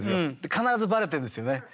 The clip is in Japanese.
必ずバレてるんですよね。